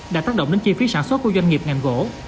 đã tác động đến chi phí sản xuất của doanh nghiệp ngành gỗ